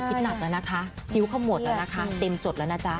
หนักแล้วนะคะคิ้วเขาหมดแล้วนะคะเต็มจดแล้วนะจ๊ะ